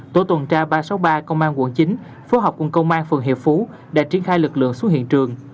tổ tuần tra ba trăm sáu mươi ba công an quận chín phố học quận công an phường hiệp phú đã triển khai lực lượng xuống hiện trường